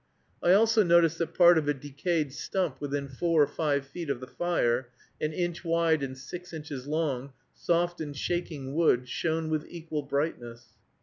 I also noticed that part of a decayed stump within four or five feet of the fire, an inch wide and six inches long, soft and shaking wood, shone with equal brightness.